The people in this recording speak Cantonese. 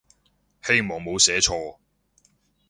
希望冇寫錯